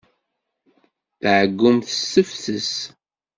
Tɛeyyumt s tefses.